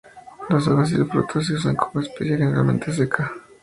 Las hojas y el fruto se usan como especia, generalmente seca.